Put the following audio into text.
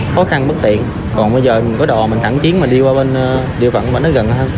khó khăn bất tiện còn bây giờ mình có đò mình thẳng chiến mà đi qua bên địa phận mình nó gần hơn